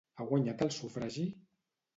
Ha guanyat el sufragi?